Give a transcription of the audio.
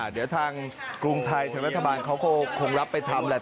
เดี๋ยวทางกรุงไทยทางรัฐบาลเขาก็คงรับไปทำแหละ